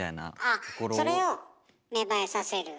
あっそれを芽生えさせる。